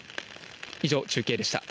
以上、中継でした。